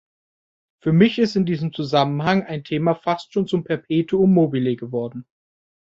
Für mich ist in diesem Zusammenhang ein Thema fast schon zum Perpetuum mobile geworden.